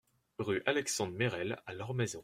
Rue Alexandre Merelle à Lormaison